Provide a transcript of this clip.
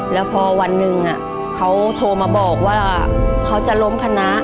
แล้วพอวันหนึ่งเขาโทรมาบอกว่าเขาจะล้มคณะ